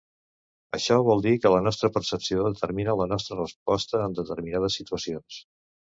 Això vol dir que la nostra percepció determina la nostra resposta en determinades situacions.